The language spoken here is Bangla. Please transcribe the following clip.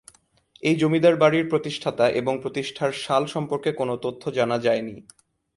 এই জমিদার বাড়ির প্রতিষ্ঠাতা এবং প্রতিষ্ঠার সাল সম্পর্কে কোনো তথ্য জানা যায়নি।